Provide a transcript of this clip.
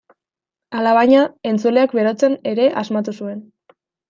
Alabaina, entzuleak berotzen ere asmatu zuen.